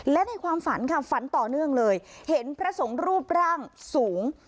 และในความฝันค่ะฝันต่อเนื่องเลยเห็นพระสงฆ์รูปร่างสูง